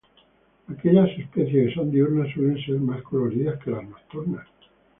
Aquellas especies que son diurnas suelen ser más coloridas que las nocturnas.